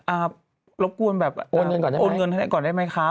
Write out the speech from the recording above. อ่ารบกวนแบบโอนเงินให้ก่อนได้ไหมครับ